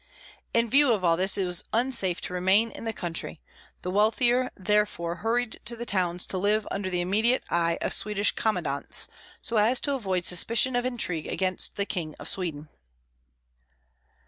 In view of all this, it was unsafe to remain in the country; the wealthier therefore hurried to the towns to live under the immediate eye of Swedish commandants, so as to avoid suspicion of intrigue against the King of Sweden.